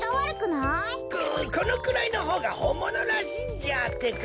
このくらいのほうがほんものらしいんじゃってか。